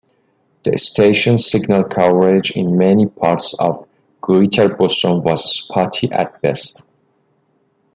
The station's signal coverage in many parts of Greater Boston was spotty at best.